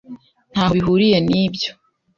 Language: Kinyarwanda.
Ntaho bihuriye nibyo.